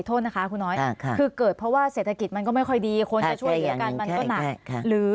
โทษนะคะคุณน้อยคือเกิดเพราะว่าเศรษฐกิจมันก็ไม่ค่อยดีคนจะช่วยเหลือกันมันก็หนักหรือ